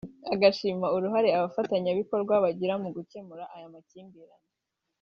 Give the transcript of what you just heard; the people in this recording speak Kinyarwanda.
agashima uruhare abafatanyabikorwa bagira mu gukemura aya makimbirane